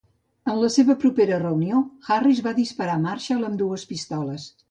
En la seva propera reunió, Harris va disparar Marshall amb dues pistoles.